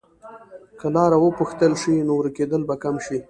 که لاره وپوښتل شي، نو ورکېدل به کم شي.